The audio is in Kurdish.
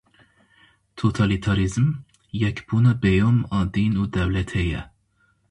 Totalîtarîzm, yekbûna bêyom a dîn û dewletê ye.